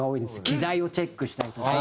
機材をチェックしたりとか。